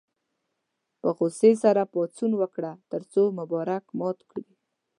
په غوسې سره پاڅون وکړ تر څو مبارک مات کړي.